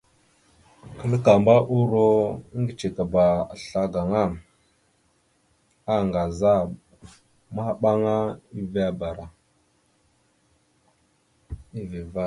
Klakamba uuro eŋgcekaba assla gaŋa, aaŋgaza maɓaŋa, eeve vvaɗ.